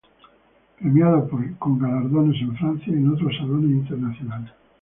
Premiado con galardones en Francia y en otros salones internacionales.